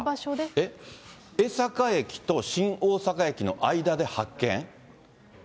江坂駅と新大阪駅の間で発見？